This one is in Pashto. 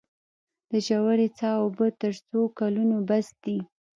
د ژورې څاه اوبه تر څو کلونو بس دي؟